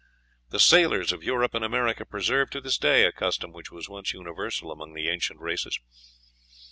The sailors of Europe and America preserve to this day a custom which was once universal among the ancient races.